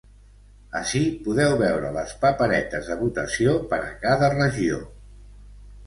Ací podeu veure les paperetes de votació per a cada regió.